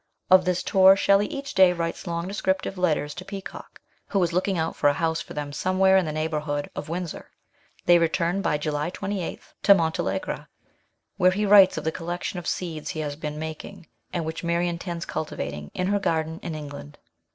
Of this tour Shelley each day writes long descriptive letters to Peacock, who is looking out for a house for them some where in the neighbourhood of Windsor. They return by July 28 to Montalegre, where he writes of the collection of seeds he has been making, and which Mary intends cultivating in her garden in England.